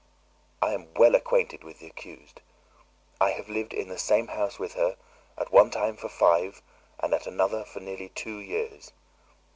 I am well acquainted with the accused. I have lived in the same house with her, at one time for five and at another for nearly two years.